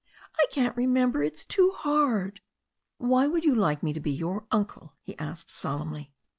"I can't remember. It's too hard." "Why would you like me to be your uncle?" he asked solemnly.